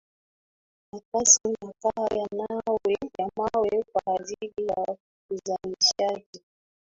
makazi makaa ya mawe kwa ajili ya uzalishaji